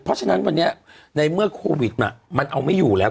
เพราะฉะนั้นวันนี้ในเมื่อโควิดมันเอาไม่อยู่แล้ว